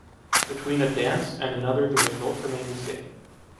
Between a “dance” and another the results remained the same.